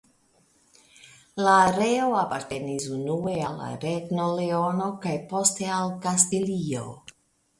La areo apartenis unue al la Regno Leono kaj poste al Kastilio.